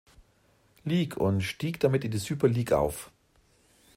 Lig und stieg damit in die Süper Lig auf.